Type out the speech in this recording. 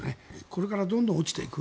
これからどんどん落ちていく。